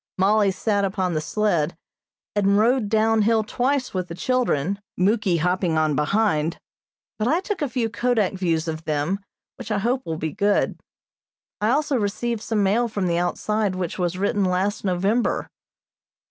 Mollie sat upon the sled, and rode down hill twice with the children, Muky hopping on behind; but I took a few kodak views of them, which I hope will be good. I also received some mail from the outside which was written last November.